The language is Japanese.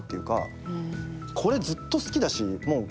これずっと好きだしもう。